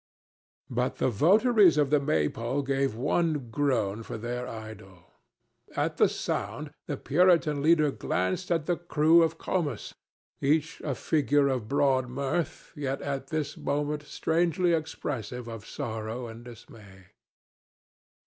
But the votaries of the Maypole gave one groan for their idol. At the sound the Puritan leader glanced at the crew of Comus, each a figure of broad mirth, yet at this moment strangely expressive of sorrow and dismay.